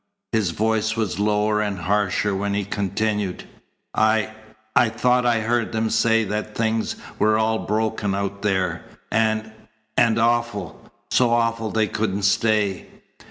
His voice was lower and harsher when he continued: "I I thought I heard them say that things were all broken out there, and and awful so awful they couldn't stay."